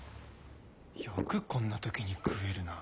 よくこんな時に食えるな。